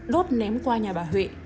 đốt ném qua nhà bà huệ